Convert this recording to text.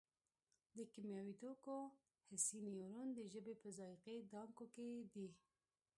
د کیمیاوي توکو حسي نیورون د ژبې په ذایقې دانکو کې دي.